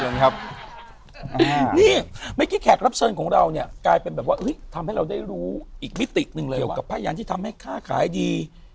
นี่เมย์กี้แขกรับเซินของเราเนี่ยใกล้เป็นแบบว่าเออทำให้เราได้รู้มิติหนึ่งเลยก็พยายามก็ทำให้ค่าขายดี